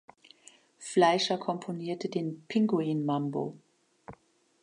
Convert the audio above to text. Fleischer komponierte den "Pinguin Mambo.